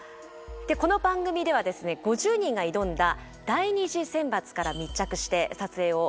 この番組ではですね５０人が挑んだ第２次選抜から密着して撮影を始めました。